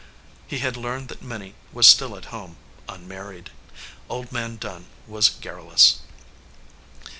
He had learned that Minnie was still at home, unmarried. Old Man Dunn was garrulous.